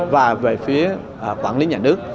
và về phía quản lý nhà nước